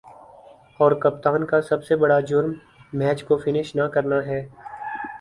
اور کپتان کا سب سے بڑا"جرم" میچ کو فنش نہ کرنا ہے ۔